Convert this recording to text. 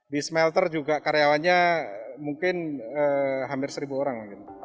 di smelter juga karyawannya mungkin hampir seribu orang